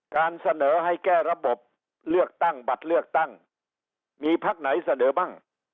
การเสนอให้แก้ระบบเลือกตั้งบัตรเลือกตั้งมีพักไหนเสนอบ้าง